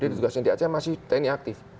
dia tugasnya di aceh masih teknik aktif